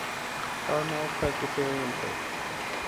Carmel Presbyterian Church.